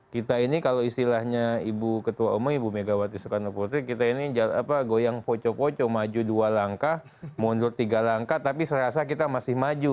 kita ini kalau istilahnya ibu ketua umum ibu megawati soekarno putri kita ini goyang poco poco maju dua langkah mundur tiga langkah tapi saya rasa kita masih maju